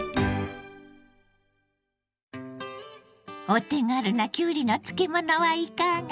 お手軽なきゅうりの漬物はいかが？